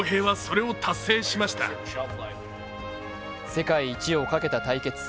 世界一をかけた対決。